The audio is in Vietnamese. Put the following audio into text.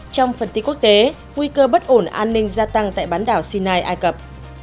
trong phần tin quốc tế nguy cơ bất ổn an ninh gia tăng tại bán đảo sinai ai cập